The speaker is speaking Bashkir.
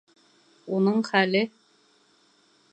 Уның хәле...